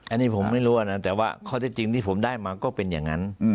อันนี้ผมไม่รู้นะแต่ว่าข้อเท็จจริงที่ผมได้มาก็เป็นอย่างนั้น